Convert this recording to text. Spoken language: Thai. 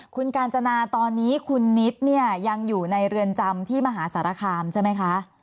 คุณกาญจนาตอนนี้คุณนิดเนี่ยยังอยู่ในเรือนจำที่มหาสารคามใช่ไหมคะ